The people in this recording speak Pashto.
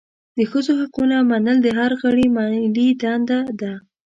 د ښځو حقونه منل د هر غړي ملي دنده ده.